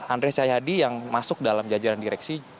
andreas cahyadi yang masuk dalam jajaran direksi